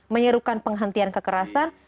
menyerukan penghentian kekerasan